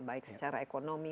baik secara ekonomi